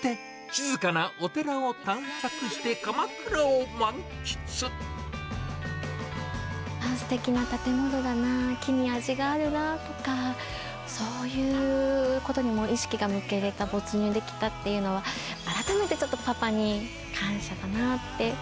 そして、すてきな建物だな、木に味があるなとか、そういうことに意識が向けれた、没入できたっていうのは、改めてちょっとパパに感謝だなって。